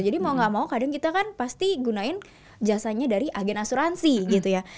jadi mau gak mau kadang kita kan pasti gunain jasanya dari agen asuransi gitu ya